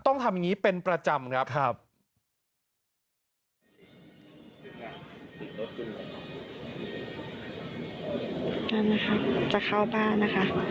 นั่นนะค่ะจะเข้าบ้านนะคะ